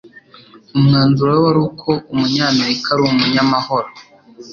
Umwanzuro we wari uko Umunyamerika ari umunyamahoro